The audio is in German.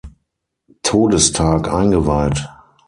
Todestag eingeweiht.